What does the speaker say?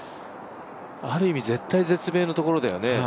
ある意味、絶体絶命のところだよね。